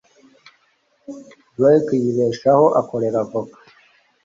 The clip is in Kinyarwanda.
Drake yibeshaho akorera avoka.